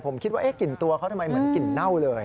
ผมคิดว่ากลิ่นตัวเขาทำไมเหมือนกลิ่นเน่าเลย